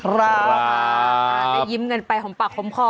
ได้ยิ้มกันไปหอมปากหอมคอ